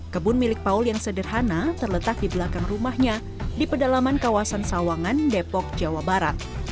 kebun milik paul yang sederhana terletak di belakang rumahnya di pedalaman kawasan sawangan depok jawa barat